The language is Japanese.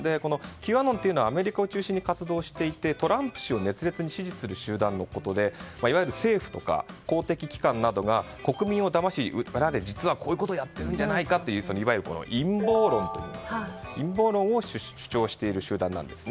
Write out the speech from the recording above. Ｑアノンとはアメリカを中心に活動していてトランプ氏を熱烈に支持する集団でいわゆる政府とか公的機関などが国民をだまし裏で実はこういうことをやっているんじゃないかといわゆる陰謀論を主張している集団です。